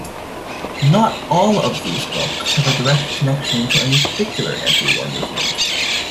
Not all of these books have a direct connection to any particular anti-war movement.